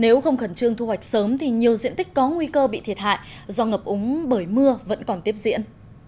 nếu không khẩn trương thu hoạch sớm thì nhiều diện tích có nguy cơ bị thiệt hại do ngập úng bởi mưa vẫn còn tiếp diễn